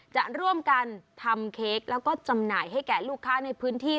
จะร่วมกันทำเค้กแล้วก็จำหน่ายให้แก่ลูกค้าในพื้นที่